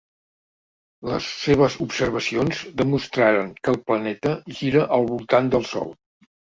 Les seves observacions demostraren que el planeta gira al voltant del Sol.